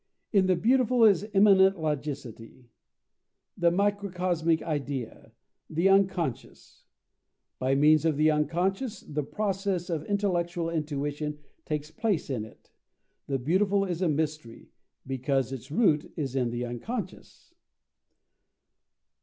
In the Beautiful is immanent logicity, the microcosmic idea, the unconscious. By means of the unconscious, the process of intellectual intuition takes place in it. The Beautiful is a mystery, because its root is in the Unconscious.